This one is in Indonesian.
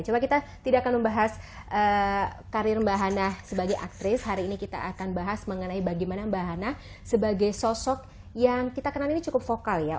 coba kita tidak akan membahas karir mbak hana sebagai aktris hari ini kita akan bahas mengenai bagaimana mbak hana sebagai sosok yang kita kenal ini cukup vokal ya